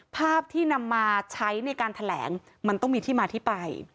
ภาพที่นำมาใช้ในการแถลงมันต้องมีที่มาที่ไป